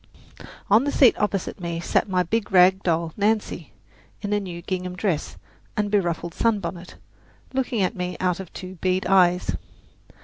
On the seat opposite me sat my big rag doll, Nancy, in a new gingham dress and a beruffled sunbonnet, looking at me out of two bead eyes.